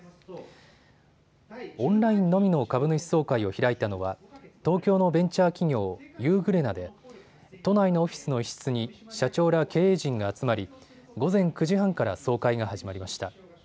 オンラインのみの株主総会を開いたのは東京のベンチャー企業、ユーグレナで都内のオフィスの一室に社長ら経営陣が集まり午前９時半から総会が始まりました。